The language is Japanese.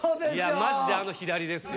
マジであの左ですよ。